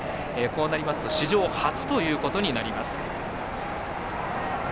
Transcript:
こうなりますと史上初ということになります。